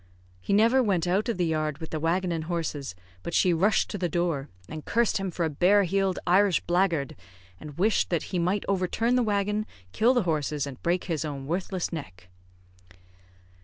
He never went out of the yard with the waggon and horses, but she rushed to the door, and cursed him for a bare heeled Irish blackguard, and wished that he might overturn the waggon, kill the horses, and break his own worthless neck.